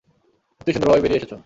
সত্যিই সুন্দরভাবে বেরিয়ে এসেছ।